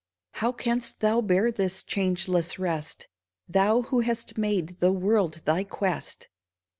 How canst thou bear this changeless rest, Thou who hast made the world thy quest